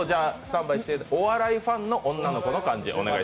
お笑いファンの女の子の感じ。